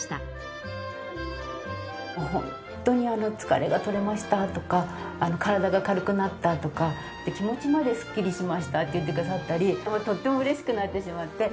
本当に疲れがとれましたとか体が軽くなったとか気持ちまですっきりしましたって言ってくださったりとっても嬉しくなってしまって。